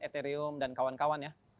eterium dan kawan kawan ya